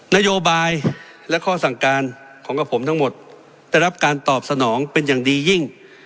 นโยบายและข้อสั่งการของกับผมทั้งหมดได้รับการตอบสนองเป็นอย่างดียิ่ง